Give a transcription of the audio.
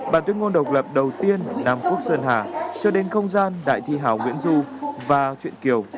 bản tuyên ngôn độc lập đầu tiên nam quốc sơn hà cho đến không gian đại thi hảo nguyễn du và chuyện kiều